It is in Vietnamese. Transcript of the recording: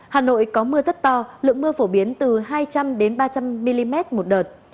hà nội có mưa rất to lượng mưa phổ biến từ hai trăm linh ba trăm linh mm một đợt